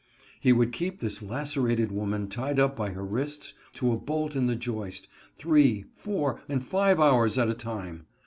'* He would keep this lacerated woman tied up by her wrists to a bolt in the joist, three, four, and five hours at a time.